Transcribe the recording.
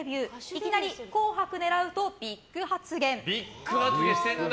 いきなり「紅白」狙うとビッグ発言！